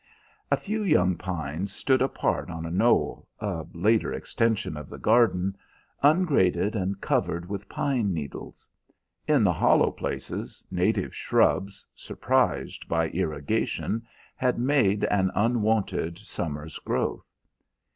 A few young pines stood apart on a knoll, a later extension of the garden, ungraded and covered with pine needles. In the hollow places native shrubs, surprised by irrigation, had made an unwonted summer's growth.